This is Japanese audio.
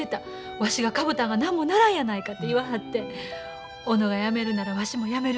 わしがかぼたんが何もならんやないか」って言わはって「小野がやめるならわしもやめる」